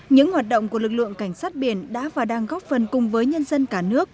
những hoạt động của lực lượng cảnh sát biển đã và đang góp phần cùng với nhân dân cả nước